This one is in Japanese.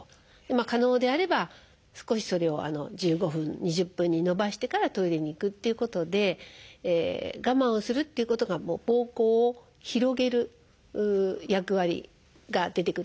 可能であれば少しそれを１５分２０分にのばしてからトイレに行くっていうことで我慢をするっていうことがぼうこうを広げる役割が出てくるんですね。